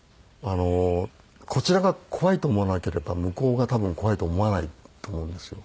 こちらが怖いと思わなければ向こうが多分怖いと思わないと思うんですよ。